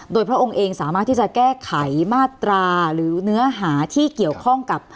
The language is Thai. โดยพระองค์เองสามารถที่จะแก้ไขมาตราหรือเนื้อหาที่เกี่ยวข้องกับ